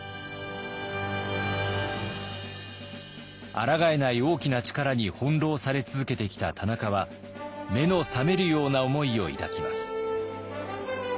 あらがえない大きな力に翻弄され続けてきた田中は目の覚めるような思いを抱きます。